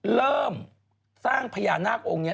เริ่มสร้างพญานาคองค์นี้